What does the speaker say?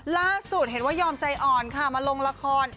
ล่าสุดเห็นว่ายอมใจอ่อนค่ะมาลงละคร